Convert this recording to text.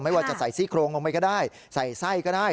ว่าจะใส่ซี่โครงลงไปก็ได้ใส่ไส้ก็ได้